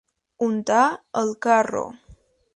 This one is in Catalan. Untar el carro.